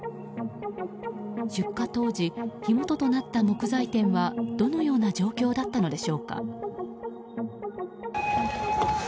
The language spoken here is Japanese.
出火当時、火元となった木材店はどのような状況だったのでしょうか。